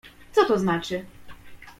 "Co to znaczy?"